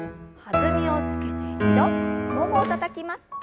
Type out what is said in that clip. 弾みをつけて２度ももをたたきます。